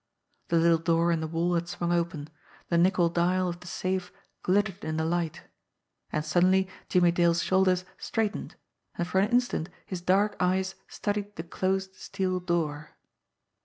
The little door in the wall had swung open, the nickel dial of the safe glittered in the light and suddenly Jimmie Dale's shoulders straightened, and for an instant his dark eyes studied the closed steel door.